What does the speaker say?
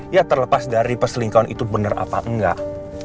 ya terlepas dari peselingkuhan itu benar apa enggak